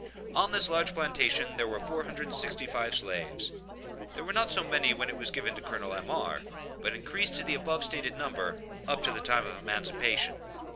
On this large plantation there were 465 slaves; there were not so many when it was given to Col. M.R., but increased to the above stated number, up to the time of emancipation.